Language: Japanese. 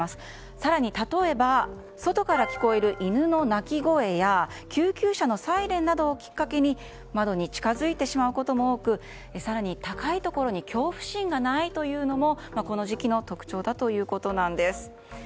更に、例えば外から聞こえる犬の鳴き声や救急車のサイレンなどをきっかけに窓に近づいてしまうことも多く更に、高いところに恐怖心がないというのもこの時期の特徴だということです。